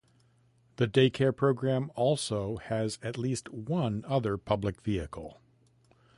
The Day Care Program also has at least one other public vehicle.